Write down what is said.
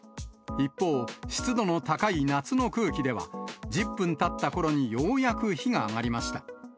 一方、湿度の高い夏の空気では、１０分たったころにようやく火が上がりました。